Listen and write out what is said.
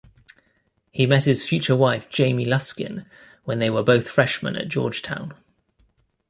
He met his future wife, Jamie Luskin, when they were both freshmen at Georgetown.